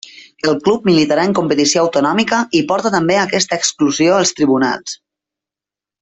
El club militarà en competició autonòmica i porta també aquesta exclusió als tribunals.